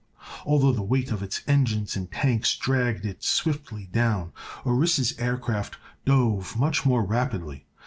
Although the weight of its engines and tanks dragged it swiftly down, Orissa's aircraft dove much more rapidly.